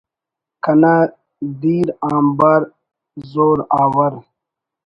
کنا دیر آنبار زوراور